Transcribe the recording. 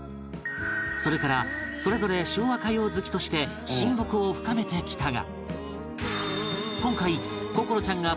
それからそれぞれ昭和歌謡好きとして親睦を深めてきたが